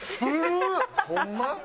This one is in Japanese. ホンマ？